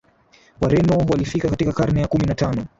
wareno walifika katika karne ya kumi na tano